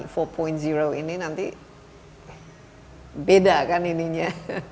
dan ini nanti nanti beda kan ininya